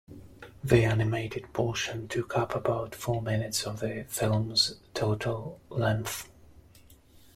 The animated portion took up about four minutes of the film's total length.